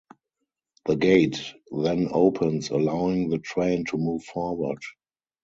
The gate then opens, allowing the train to move forward.